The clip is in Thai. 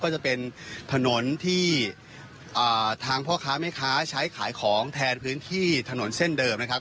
ก็จะเป็นถนนที่ทางพ่อค้าแม่ค้าใช้ขายของแทนพื้นที่ถนนเส้นเดิมนะครับ